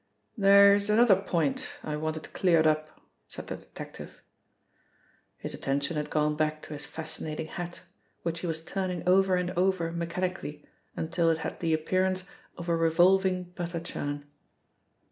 "There is another point I wanted cleared up," said the detective. His attention had gone back to his fascinating hat, which he was turning over and over mechanically until it had the appearance of a revolving butter churn.